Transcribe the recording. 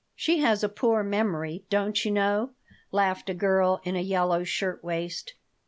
"She has a poor memory, don't you know," laughed a girl in a yellow shirt waist.